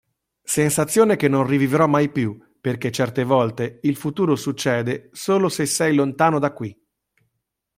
Sensazione che non rivivrò mai più, perché certe volte il futuro succede solo se sei lontano da qui.